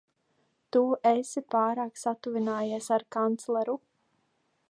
Tu esi pārāk satuvinājies ar kancleru.